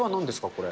これ。